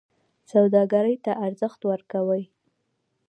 سوداګرۍ ته ارزښت ورکوي.